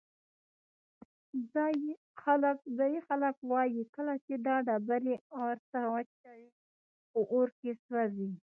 ځایی خلک وایي کله چې دا ډبرې اور ته واچوې په اور کې سوځي.